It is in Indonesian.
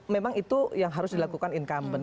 memang itu yang harus dilakukan incumbent